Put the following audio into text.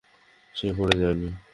সে পড়ে যায় নি।